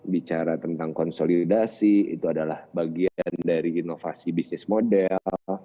bicara tentang konsolidasi itu adalah bagian dari inovasi bisnis model